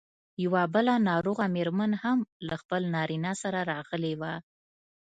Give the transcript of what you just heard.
یوه بله ناروغه مېرمن هم له خپل نارینه سره راغلې وه.